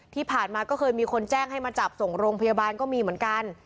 ที่ผ่านมาก็เคยมีคนแจ้งให้มาจับส่งโรงพยาบาลก็มีเหมือนกัน